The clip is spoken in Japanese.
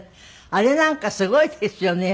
あれなんかすごいですよね。